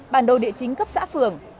bản đồ địa chính cấp xã phường